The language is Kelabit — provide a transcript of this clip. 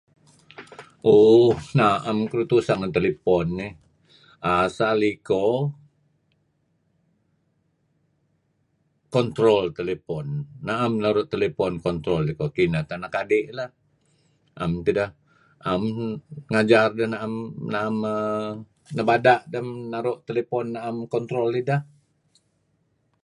Ooh naem keduih tuseh ngen telephone nih asal iko control telephone, naem naru' telephone control iko. KIneh tah anak adi' lah. 'Am nebada' dah naem naru' telephone control deh.